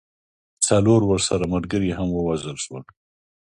څلور ورسره ملګري هم ووژل سول.